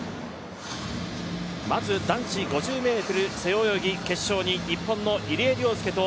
まず男子５０ｍ背泳ぎ決勝に日本の入江陵介と